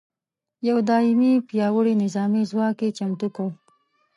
یو دایمي پیاوړي نظامي ځواک یې چمتو کړ.